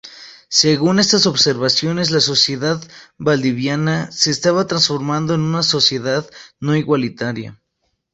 Según estas observaciones, la sociedad valdiviana se estaba transformando en una sociedad no igualitaria.